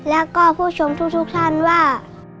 แล้วก็ผู้ชมทุกท่านว่า